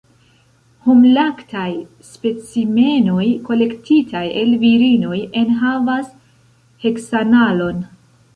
Homlaktaj specimenoj kolektitaj el virinoj enhavas heksanalon.